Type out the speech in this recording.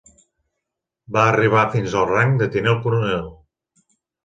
Va arribar fins al rang de tinent coronel.